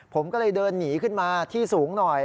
ผมก็เลยเดินหนีขึ้นมาที่สูงหน่อย